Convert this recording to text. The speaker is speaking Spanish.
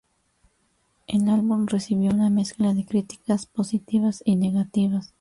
El álbum recibió una mezcla de críticas positivas y negativas.